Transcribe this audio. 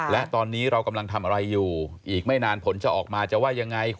และตอนนี้เรากำลังทำอะไรอยู่อีกไม่นานผลจะออกมาจะว่ายังไง